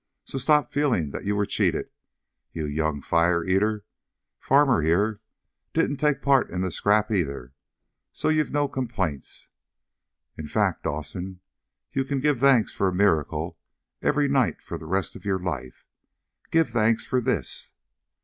So stop feeling that you were cheated, you young fire eater. Farmer, here, didn't take part in the scrap, either, so you've no complaints. In fact, Dawson, you can give thanks for a miracle every night for the rest of your life. Give thanks for this!"